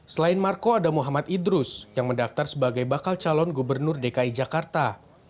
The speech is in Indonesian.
selain marco ada muhammad idrus yang mendaftar sebagai bakal calon gubernur dki jakarta